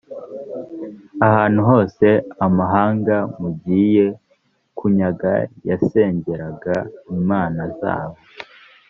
ahantu hose amahanga mugiye kunyaga yasengeraga imana zabo,